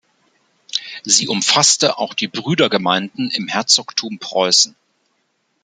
Sie umfasste auch die Brüdergemeinden im Herzogtum Preußen.